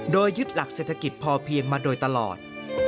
โดยยึดหลักเศรษฐกิจพอเพียงมาโดยตลอด